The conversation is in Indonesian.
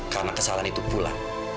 karena kesalahan itu pula